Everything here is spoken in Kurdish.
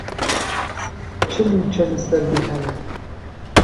Çi nûçe li ser vê hene.